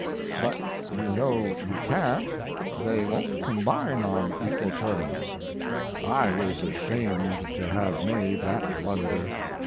"But you know you can't. They won't combine on equal terms." I was ashamed to have made that blunder.